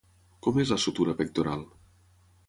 Com és la sutura pectoral?